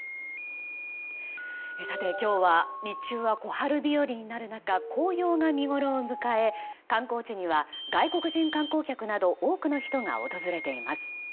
今日は日中は小春日和になる中紅葉が見ごろを迎え観光地には外国人観光客など多くの人が訪れています。